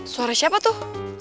suara siapa tuh